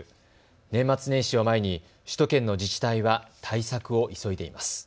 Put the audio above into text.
年末年始を前に首都圏の自治体は対策を急いでいます。